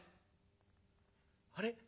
「あれ？